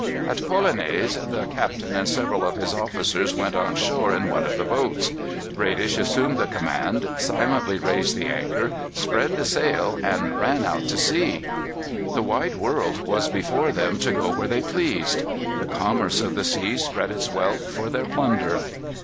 At Polonais, the captain and several of his officers went on shore in one of the boats. Bradish assumed the command, silently raised the anchor, spread the sail, and ran out to sea. The wide world was before them to go where they pleased. The commerce of the seas spread its wealth for their plunder.